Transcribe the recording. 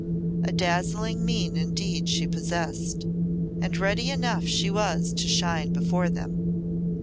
A dazzling mien indeed she possessed, and ready enough she was to shine before them.